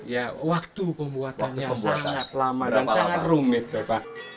ya waktu pembuatannya sangat lama dan sangat rumit bapak